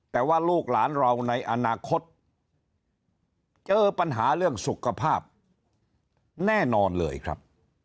แต่ว่าลูกหลานเราในอนาคตเจอปัญหาเรื่องสุขภาพแน่นอนเลยครับ